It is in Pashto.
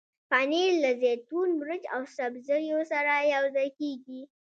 پنېر له زیتون، مرچ او سبزیو سره یوځای کېږي.